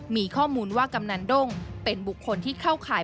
มีข้อมูลว่ากำนันด้งเป็นบุคคลที่เข้าข่าย